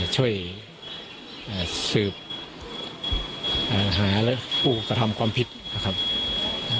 ช่วยสืบหาผู้กระทำความผิดของเขา